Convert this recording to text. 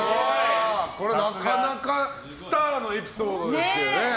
これはなかなかスターのエピソードですけどね。